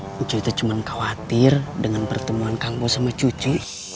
cucu itu cuma khawatir dengan pertemuan kang bos sama cucu